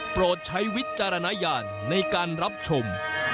โปรดใช้วิจารณญาณในการรับชม